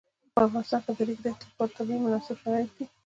په افغانستان کې د د ریګ دښتې لپاره طبیعي شرایط مناسب دي.